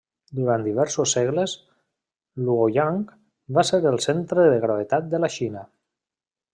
Durant diversos segles, Luoyang va ser el centre de gravetat de la Xina.